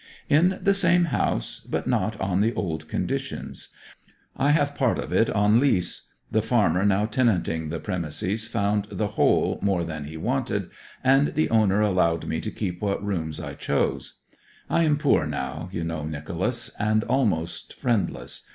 'In the same house, but not on the old conditions. I have part of it on lease; the farmer now tenanting the premises found the whole more than he wanted, and the owner allowed me to keep what rooms I chose. I am poor now, you know, Nicholas, and almost friendless.